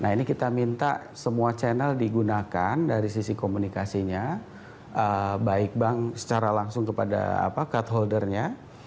nah ini kita minta semua channel digunakan dari sisi komunikasinya baik bank secara langsung kepada cut holdernya